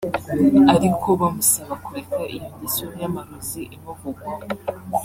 ariko bamusaba kureka iyo ngeso y’amarozi imuvugwaho